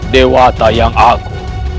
dewata yang aku